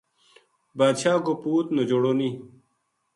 بادشاہ کو پوت نجوڑو نیہہ